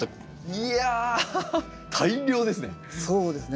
いや大量ですね。